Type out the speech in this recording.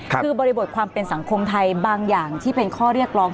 คือบริบทความเป็นสังคมไทยบางอย่างที่เป็นข้อเรียกร้อง